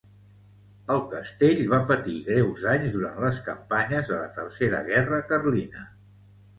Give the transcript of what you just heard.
El castell va patir greus danys durant les campanyes de la Tercera guerra carlina.